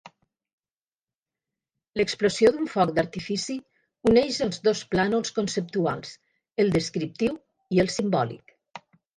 L'explosió d'un foc d'artifici uneix els dos plànols conceptuals, el descriptiu i el simbòlic.